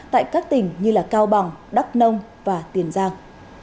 tại các tỉnh như cao bằng đắk nông và tiền giang